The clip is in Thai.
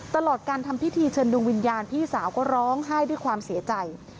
ตลอดการทำพิธีเชิญดวงวิญญาณพี่สาวก็ร้องไห้ด้วยความเสียใจ